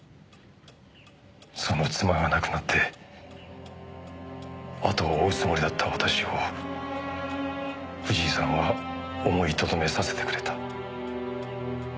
その妻が亡くなって後を追うつもりだった私を藤井さんは思いとどめさせてくれた。